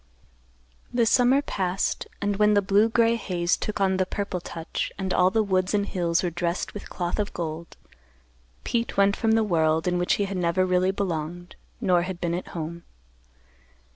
The summer passed, and, when the blue gray haze took on the purple touch and all the woods and hills were dressed with cloth of gold, Pete went from the world in which he had never really belonged, nor had been at home.